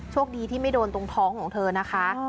คดีที่ไม่โดนตรงท้องของเธอนะคะ